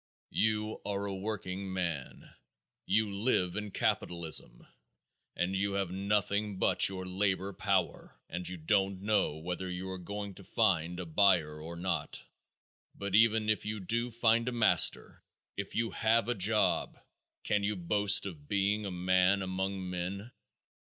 You are a workingman, you live in capitalism, and you have nothing but your labor power, and you don't know whether you are going to find a buyer or not. But even if you do find a master, if you have a job, can you boast of being a man among men?